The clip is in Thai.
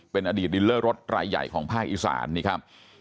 เป็นอดีตหลีลอร์สไรใหญ่ของภาคอิสรนะครับ